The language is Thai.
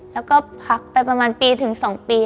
แล้วก็พักไปประมาณปีถึง๒ปี